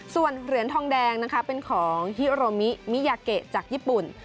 ส่วนเหรียญทองแดงนะคะเป็นของฮิโรมิมิยาเกะจากญี่ปุ่น